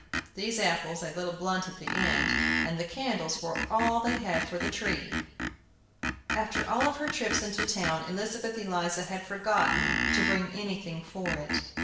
These apples, a little blunt at the end, and the candles were all they had for the tree! After all her trips into town Elizabeth Eliza had forgotten to bring anything for it.